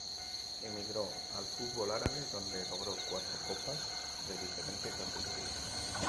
Emigró al fútbol árabe donde logró cuatro copas de diferente categoría.